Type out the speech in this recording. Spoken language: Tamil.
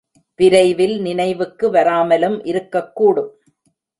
விரைவில் நினைவுக்கு வராமலும் இருக்கக்கூடும்.